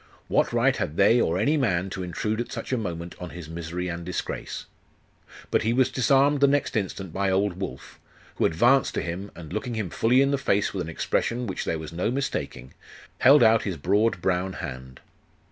What right had they, or any man, to intrude at such a moment on his misery and disgrace?.... But he was disarmed the next instant by old Wulf, who advanced to him, and looking him fully in the face with an expression which there was no mistaking, held out his broad, brown hand.